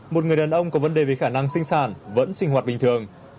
một người đàn ông có vấn đề về khả năng sinh sản vẫn sinh hoạt bình thường